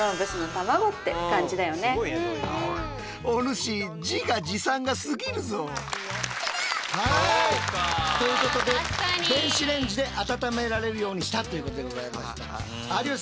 しかもはいということで電子レンジで温められるようにしたということでございました。